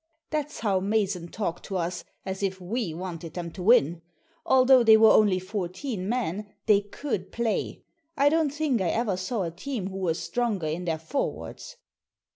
That's how Mason talked to us, as if we wanted them to win! Although they were only fourteen 'men, they could play. I don't think I ever saw a team who were stronger in their forwards.